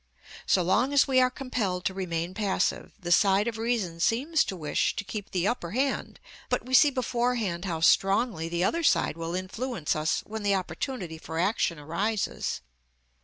So long as we are compelled to remain passive, the side of reason seems to wish to keep the upper hand; but we see beforehand how strongly the other side will influence us when the opportunity for action arises.